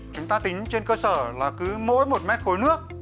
chúng ta tính trên cơ sở là cứ mỗi một mét khối nước